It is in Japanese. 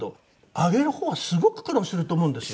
あげる方はすごく苦労すると思うんですよ。